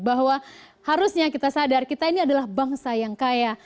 bahwa harusnya kita sadar kita ini adalah bangsa yang kaya